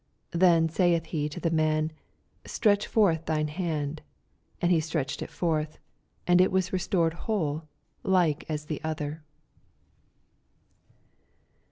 18 Then saith he to the man, Stretch forth thine band. And he stretched U forth ; and it was restored whole, like as the other.